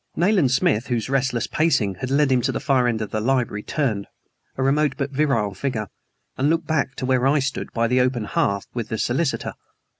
Nayland Smith, whose restless pacing had led him to the far end of the library, turned, a remote but virile figure, and looked back to where I stood by the open hearth with the solicitor.